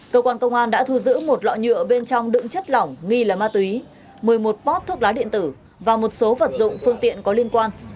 cơ quan công an đã thu giữ một lọ nhựa bên trong đựng chất lỏng nghi là ma túy một mươi một pot thuốc lá điện tử và một số vật dụng phương tiện có liên quan